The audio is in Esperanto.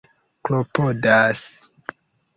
klopodas